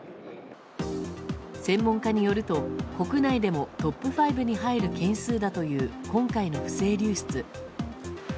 専門家によると、国内でもトップ５に入る件数だという今回の不正流出。